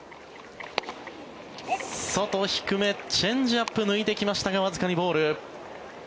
外低めチェンジアップ抜いてきましたがわずかにボール。